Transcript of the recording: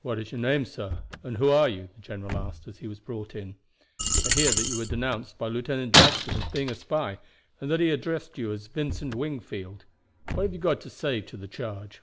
"What is your name, sir, and who are you?" the general asked as he was brought in. "I hear that you were denounced by Lieutenant Jackson as being a spy, and that he addressed you as Vincent Wingfield. What have you got to say to the charge?"